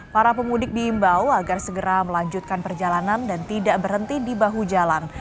para pemudik diimbau agar segera melanjutkan perjalanan dan tidak berhenti di bahu jalan